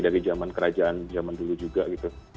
dari zaman kerajaan zaman dulu juga gitu